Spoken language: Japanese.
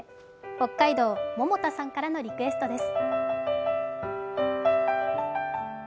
北海道・ももたさんからのリクエストです。